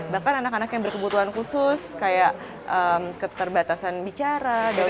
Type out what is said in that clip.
bahkan anak anak yang berkebutuhan khusus kayak keterbatasan bicara